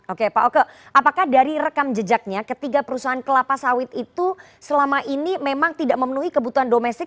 oke pak oke apakah dari rekam jejaknya ketiga perusahaan kelapa sawit itu selama ini memang tidak memenuhi kebutuhan domestik